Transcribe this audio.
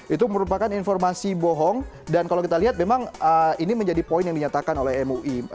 itu merupakan informasi bohong dan kalau kita lihat memang ini menjadi poin yang dinyatakan oleh mui